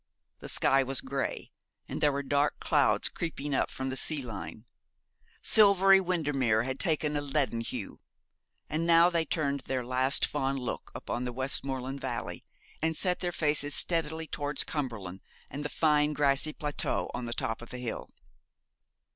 The sky was grey, and there were dark clouds creeping up from the sea line. Silvery Windermere had taken a leaden hue; and now they turned their last fond look upon the Westmoreland valley, and set their faces steadily towards Cumberland, and the fine grassy plateau on the top of the hill.